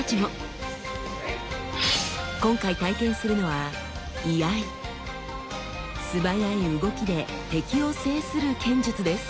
今回体験するのは素早い動きで敵を制する剣術です。